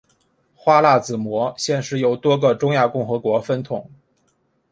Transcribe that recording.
花剌子模现时由多个中亚共和国分统。